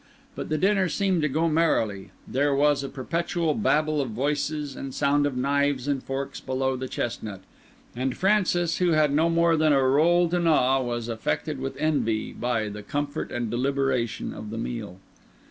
But the dinner seemed to go merrily; there was a perpetual babble of voices and sound of knives and forks below the chestnut; and Francis, who had no more than a roll to gnaw, was affected with envy by the comfort and deliberation of the meal.